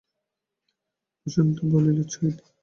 বসন্ত বলিল, ছয়টা।